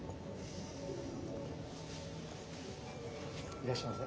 いらっしゃいませ。